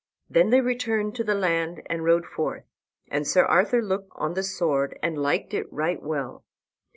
Then they returned unto the land and rode forth. And Sir Arthur looked on the sword and liked it right well.